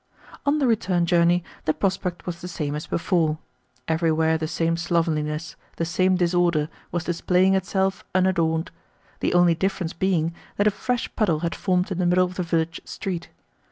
On the return journey the prospect was the same as before. Everywhere the same slovenliness, the same disorder, was displaying itself unadorned: the only difference being that a fresh puddle had formed in the middle of the village street.